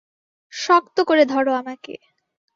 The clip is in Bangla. শক্ত করে ধরো আমাকে।